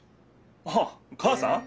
あっ母さん？